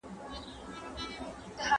¬ دنيا په امېد خوړله کېږي.